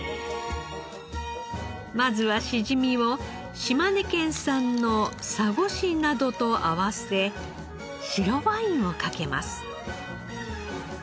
まずはしじみを島根県産のサゴシなどと合わせ白ワインをかけます。